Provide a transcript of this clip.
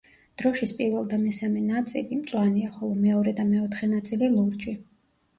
დროშის პირველ და მესამე ნაწილი მწვანეა, ხოლო მეორე და მეოთხე ნაწილი ლურჯი.